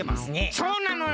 そうなのよ。